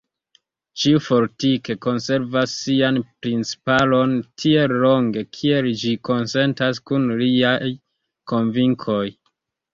Ĉiu fortike konservas sian principaron tiel longe, kiel ĝi konsentas kun liaj konvinkoj.